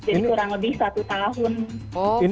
jadi kurang lebih satu tahun